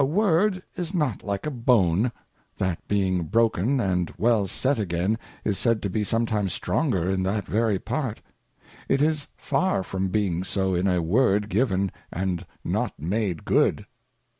A Word is not like a Bone, that being broken and well set again, is said to be sometimes stronger in that very part : It is far The Anatomy of an Equivalent. 123 far from being so in a Word given and not made good.